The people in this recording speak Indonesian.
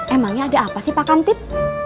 emangnya ada apa sih pak kamtip